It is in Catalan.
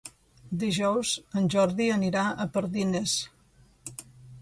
Dijous en Jordi anirà a Pardines.